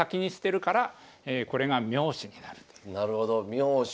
なるほど妙手。